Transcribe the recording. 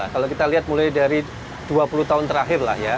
kalau kita lihat mulai dari dua puluh tahun terakhir